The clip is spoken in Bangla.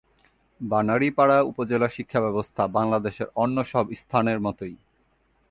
বানারীপাড়া উপজেলার শিক্ষা ব্যবস্থা বাংলাদেশের অন্য সব স্থানের মতই।